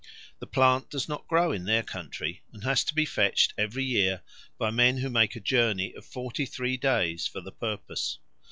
The plant does not grow in their country, and has to be fetched every year by men who make a journey of forty three days for the purpose.